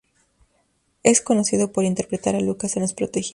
Es conocido por interpretar a Lucas en Los protegidos.